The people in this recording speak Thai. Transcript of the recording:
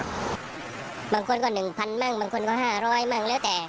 บางคนก็๑๐๐๐บางคนก็๕๐๐บางแล้วแต่